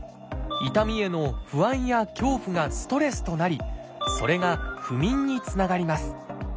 痛みへの不安や恐怖がストレスとなりそれが不眠につながります。